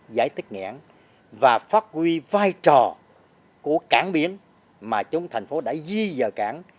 giải thích nhãn và phát huy vai trò của cảng biển mà chúng thành phố đã di dời cảng